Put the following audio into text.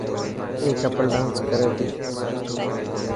اي ڪپل ڊانس ڪري تي.